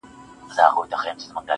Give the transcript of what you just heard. مړ به سم مړى به مي ورك سي گراني .